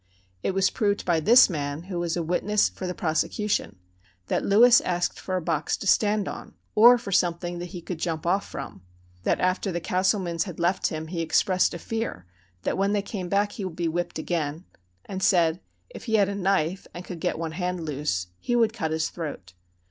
It was proved by this man (who was a witness for the prosecution) that Lewis asked for a box to stand on, or for something that he could jump off from; that after the Castlemans had left him he expressed a fear that when they came back he would be whipped again; and said, if he had a knife, and could get one hand loose, he would cut his throat.